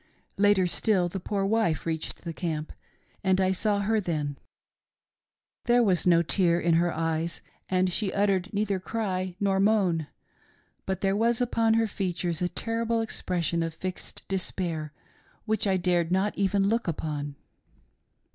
Later still, the poor wife reached the camp, and I saw her then. There was no tear in her eyes, and she uttered 224 HEROIC CONDUCT OF ELDER CHISLETT. • neither cry nor moan, but there was upon her features a terrible expression of fixed despair which I dared not even look upon.